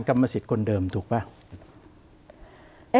กรรมศิษย์คนเดิมถูกไหม